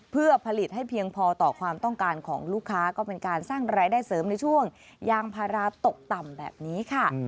เพื่อผลิตให้เพียงพอต่อความต้องการของลูกค้าก็เป็นการสร้างรายได้เสริมในช่วงยางพาราตกต่ำแบบนี้ค่ะ